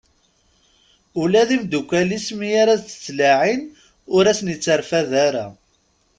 Ula d imddukal-is mi ara as-d-ttalaɛin ur asen-itterfad ara.